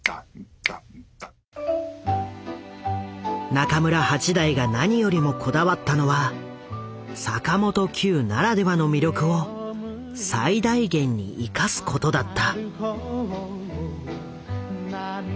中村八大が何よりもこだわったのは坂本九ならではの魅力を最大限に生かすことだった。